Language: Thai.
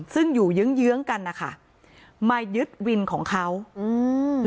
ซึ่งอยู่เยื้องเยื้องกันนะคะมายึดวินของเขาอืม